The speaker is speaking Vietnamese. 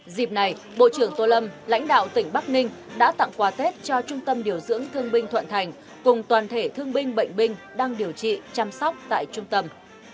dịp này bộ trưởng tô lâm lãnh đạo tỉnh bắc ninh đã tặng quà tết cho trung tâm điều dưỡng thương binh thuận thành cùng toàn thể thương binh bệnh binh đang điều trị chăm sóc tại trung tâm